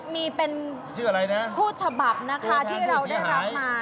มีเป็นผู้ฉบับที่เราได้รับมา